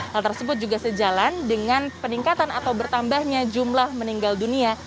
hal tersebut juga sejalan dengan peningkatan atau bertambahnya jumlah meninggal dunia